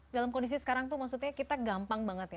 dalam kondisi sekarang tuh maksudnya kita gampang banget ya